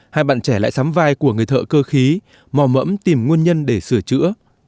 hai bạn trẻ lại sắm vai của người thợ cơ khí mò mẫm tìm nguồn nhân để sửa chữa